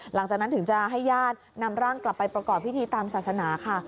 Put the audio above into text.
หลังจากนั้นถึงจะให้ญาตินำร่างกลับไปประกอบพิธีตามศาสนาค่ะ